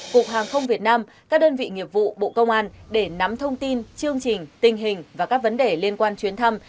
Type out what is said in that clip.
cục hàng không việt nam các đơn vị nghiệp vụ bộ công an để nắm thông tin chương trình tình hình và các vấn đề liên quan chuyến thăm